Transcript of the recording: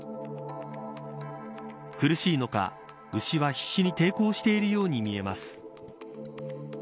苦しいのか、牛は必死に抵抗しているように見えます。